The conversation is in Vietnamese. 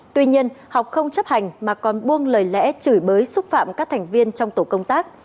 tuy nhiên học không chấp hành mà còn buông lời lẽ chửi bới xúc phạm các thành viên trong tổ công tác